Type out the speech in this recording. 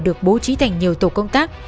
được bố trí thành nhiều tổ công tác